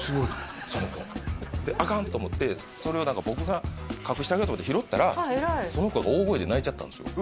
その子であかんと思ってそれを僕が隠してあげようと思って拾ったらその子が大声で泣いちゃったんですよ